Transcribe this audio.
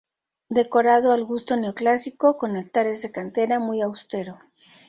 Decorado al gusto neoclásico, con altares de cantera, muy austero.